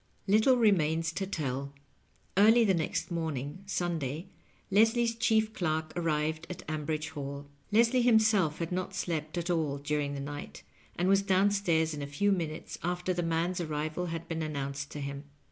IV. Little remains to tell. Early the next morning, Sun day, Leslie's chief clerk arrived at Ambridge Hall. Les lie himself had not slept at all during the night, and was down stairs in a few minutes after the man's arrival had been announced to him.